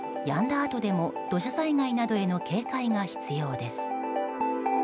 あとでも土砂災害などへの警戒が必要です。